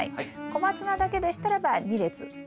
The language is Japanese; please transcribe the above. コマツナだけでしたらば２列。